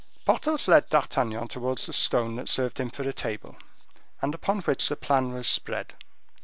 Porthos led D'Artagnan towards the stone that served him for a table, and upon which the plan was spread.